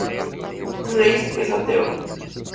Reiss es ateo.